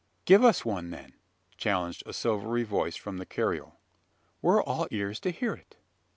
"Give us one, then!" challenged a silvery voice from the carriole. "We're all ears to hear it!"